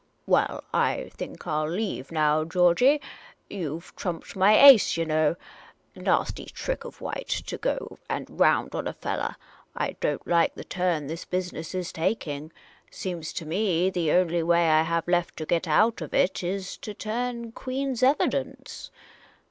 " Well, I think I '11 leave now, Georgey. You 've trumped my ace, yah know. Nasty trick of White to go and round on a fellah. I don't like the turn this business is taking. Seems to me, the only way I have left to get out of it is — to turn Queen's evidence."